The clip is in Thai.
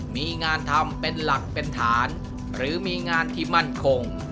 มีงานทำเป็นหลักเป็นฐานหรือมีงานที่มั่นคง